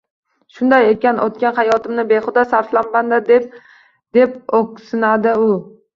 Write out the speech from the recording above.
Shunday ekan, oʻtgan hayotimni behuda sarflabman-da, deb oʻkinadi u